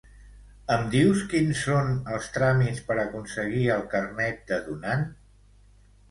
Em dius quins són els tràmits per aconseguir el carnet de donant?